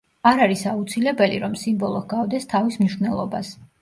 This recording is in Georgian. არ არის აუცილებელი, რომ სიმბოლო ჰგავდეს თავის მნიშვნელობას.